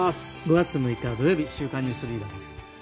５月６日、土曜日「週刊ニュースリーダー」です。